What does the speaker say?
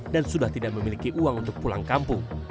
dan sudah tidak memiliki uang untuk pulang kampung